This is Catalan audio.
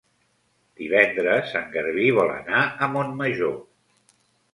Divendres en Garbí vol anar a Montmajor.